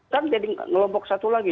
kan jadi ngelombok satu lagi